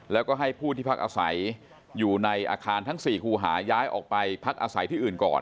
แล้วก็ให้ผู้ที่พักอาศัยอยู่ในอาคารทั้ง๔คู่หาย้ายออกไปพักอาศัยที่อื่นก่อน